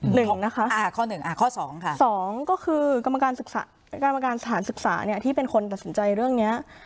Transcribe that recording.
หนึ่งนะคะสองก็คือกรรมการสถานศึกษาเนี่ยที่เป็นคนตัดสนใจเรื่องเนี่ย